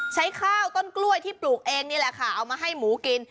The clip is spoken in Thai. ใช้ข้าวต้นกล้วยที่ปลูกเองนี่แหละค่ะเอามาให้หมูกิน